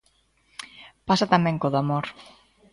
Pasa tamén co do amor.